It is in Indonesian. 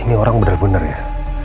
ini orang benar benar ya